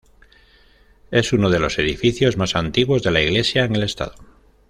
Es uno de los edificios más antiguos de la iglesia en el estado.